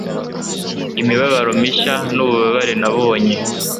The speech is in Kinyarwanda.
imibabaro mishya nububabare nabonye